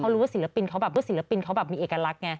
รู้ว่าศิลปินเขาแบบมีเอกลักษณ์ไง